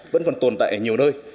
vẫn còn tồn tại ở nhiều nơi